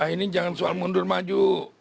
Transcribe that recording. ini jangan soal mundur maju